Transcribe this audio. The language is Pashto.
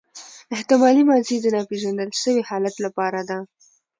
احتمالي ماضي د ناپیژندل سوي حالت له پاره ده.